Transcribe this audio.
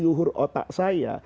luhur otak saya